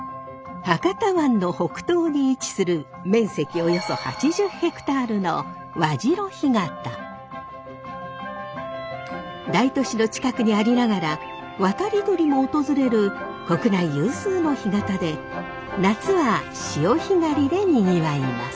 およそ８０ヘクタールの大都市の近くにありながら渡り鳥も訪れる国内有数の干潟で夏は潮干狩りでにぎわいます。